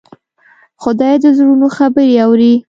خدای د زړونو خبرې اوري.